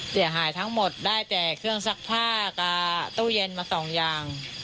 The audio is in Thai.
เสียหายทั้งหมดได้แต่เครื่องซักผ้ากับตู้เย็นมาสองอย่าง